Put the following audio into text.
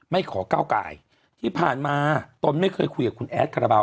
ขอก้าวกายที่ผ่านมาตนไม่เคยคุยกับคุณแอดคาราบาล